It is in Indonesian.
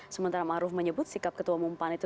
sementara maruf menyebut sikap ketua umum pan itu